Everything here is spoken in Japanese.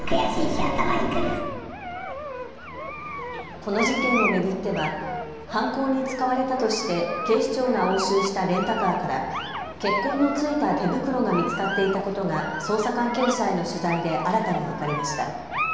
この事件を巡っては犯行に使われたとして警視庁が押収したレンタカーから血痕の付いた手袋が見つかっていたことが捜査関係者への取材で新たに分かりました。